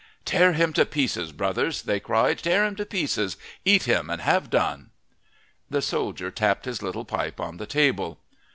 "Tear him to pieces, brothers," they cried, "tear him to pieces, eat him and have done!" The soldier tapped his little pipe on the table.